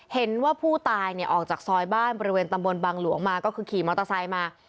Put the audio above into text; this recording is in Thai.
เห็นว่าผู้ตายเนี่ยออกจากซอยบ้านบริเวณตำบลบังหลวงมาก็คือขี่มอเตอร์ไซค์มา